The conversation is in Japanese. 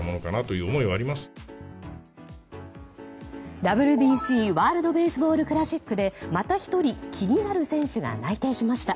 ＷＢＣ・ワールド・ベースボール・クラシックでまた１人、気になる選手が内定しました。